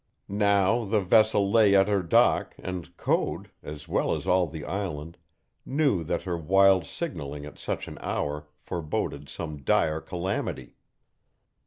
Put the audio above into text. Now the vessel lay at her dock and Code, as well as all the island, knew that her wild signaling at such an hour foreboded some dire calamity.